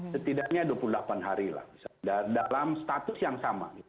setidaknya dua puluh delapan hari lah dalam status yang sama